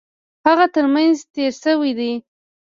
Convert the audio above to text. هغه ترمېنځ تېر شوی دی.